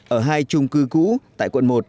ở hai chung cư cũ tại quận một